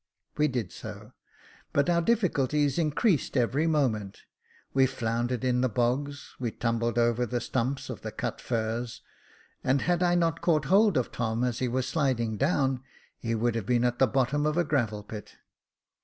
We did so, but our difficulties increased every moment j we floundered in the bogs, we tumbled over the stumps of the cut furze, and had I not caught hold of Tom as he was sliding down, he would have been at the bottom of a gravel pit.